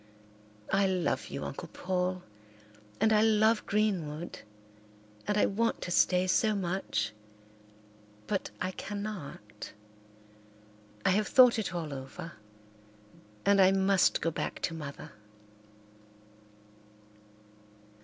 I love you, Uncle Paul, and I love Greenwood, and I want to stay so much, but I cannot. I have thought it all over and I must go back to Mother."